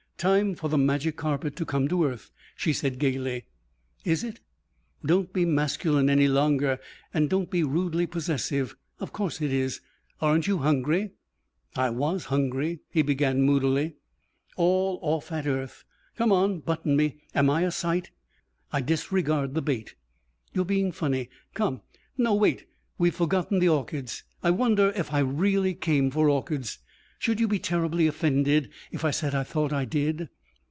"Time for the magic carpet to come to earth," she said gaily. "Is it?" "Don't be masculine any longer and don't be rudely possessive. Of course it is. Aren't you hungry?" "I was hungry " he began moodily. "All off at earth. Come on. Button me. Am I a sight?" "I disregard the bait." "You're being funny. Come. No wait. We've forgotten the orchids. I wonder if I really came for orchids. Should you be terribly offended if I said I thought I did?"